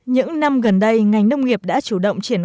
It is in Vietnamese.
những năm gần đây ngành nông nghiệp đã chủ động tạo ra một hội nghị